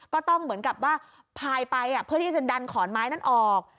ก็ต้องเหมือนกับว่าพายไปเพื่อที่จะดันขอนไม้นั้นออก